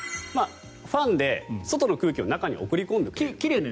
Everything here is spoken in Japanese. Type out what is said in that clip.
ファンで外の空気を中に送り込んでくれる。